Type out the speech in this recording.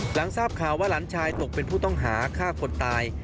หลังทราบข่าวว่าหลานชายตกเป็นผู้ต้องหาฆ่าคนตาย